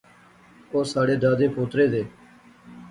او ساڑھے دادیں پوترے دے